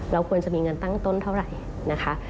ควรจะมีเงินตั้งต้นเท่าไหร่นะคะ